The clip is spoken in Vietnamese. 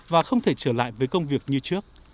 và không thể trở lại với công việc như trước